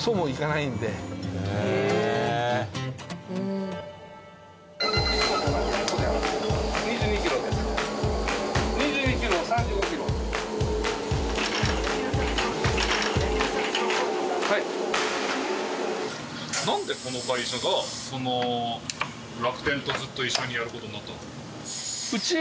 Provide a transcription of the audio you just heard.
なんでこの会社が楽天とずっと一緒にやる事になったんですか？